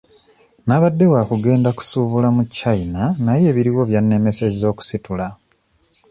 Nabadde waakugenda kusuubula mu China naye ebiriyo byannemesezza okusitula.